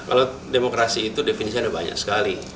kalau demokrasi itu definisinya ada banyak sekali